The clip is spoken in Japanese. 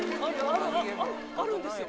あるんですよ